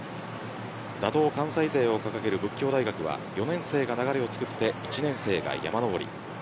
打倒関西勢を掲げる佛教大学は４年生が流れをつくって１年生が山登り。